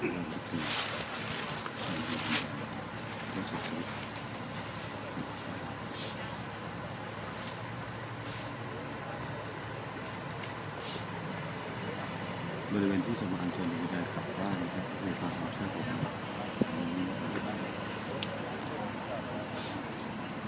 เพราะว่าหากจะติดที่จะเริ่มเพิ่มประมาณ๑๐๐นาทีเท่านั้นพระราชกรรมภูมิค่อนข้างจะลำบากไม่ถึงครับ